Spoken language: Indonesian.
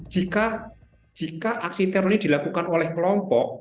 jika aksi teroris dilakukan oleh kelompok